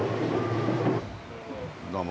どうも。